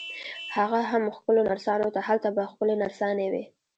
هغه هم ښکلو نرسانو ته، هلته به ښکلې نرسانې وي.